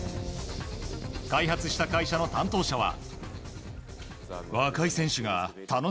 開発した会社の担当者は。